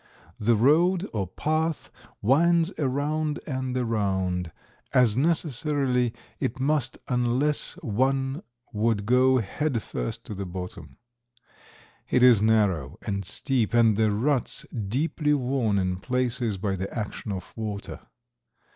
The road or path winds around and around, as necessarily it must unless one would go head first to the bottom. It is narrow and steep and the ruts deeply worn in places by the action of water.